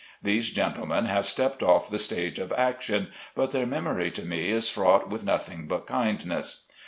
These gentlemen have stepped off the stage of action, but their memory to me is frought with nothing but kindness.